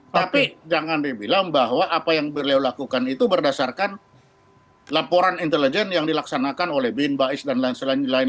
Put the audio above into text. tapi jangan dibilang bahwa apa yang beliau lakukan itu berdasarkan laporan intelijen yang dilaksanakan oleh bin bais dan lain lain